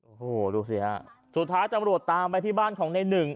โอ้โหลูกเสียสุดท้ายตำรวจตามไปที่บ้านของนายหนึ่ง